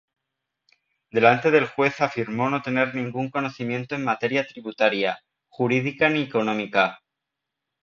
Delante del juez afirmó no tener ningún conocimiento en materia tributaria, jurídica ni económica.